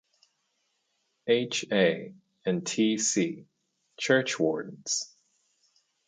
H A. and T C, Churchwardens.